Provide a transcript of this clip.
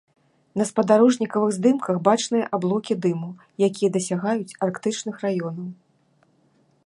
На спадарожнікавых здымках бачныя аблокі дыму, якія дасягаюць арктычных раёнаў.